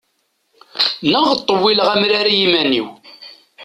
Neɣ ṭṭewwileɣ amrar i yiman-iw.